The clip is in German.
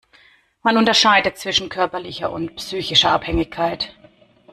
Man unterscheidet zwischen körperlicher und psychischer Abhängigkeit.